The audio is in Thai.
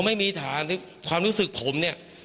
ไม่มีฐานความรู้สึกผมเนี่ย